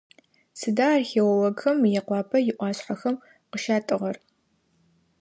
Сыда археологхэм Мыекъуапэ иӏуашъхьэхэм къыщатӏыгъэр?